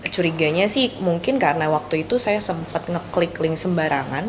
curiganya sih mungkin karena waktu itu saya sempat ngeklik link sembarangan